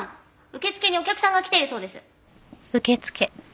受付にお客さんが来ているそうです。